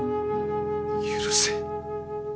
許せ。